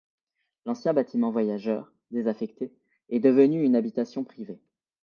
L'ancien bâtiment voyageurs, désaffecté, est devenu une habitation privée.